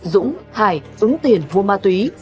dũng hải ứng tiền vua ma túy